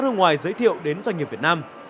nước ngoài giới thiệu đến doanh nghiệp việt nam